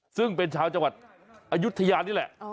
ซึ่งเป็นชาวจังหวัดอายุทยานี่แหละ